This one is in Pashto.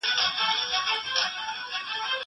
سبزېجات جمع کړه!